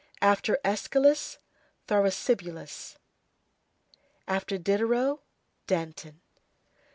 After Æschylus, Thrasybulus; after Diderot, Danton.